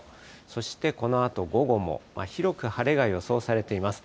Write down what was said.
そしてこのあと午後も広く晴れが予想されています。